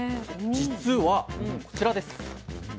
じつはこちらです。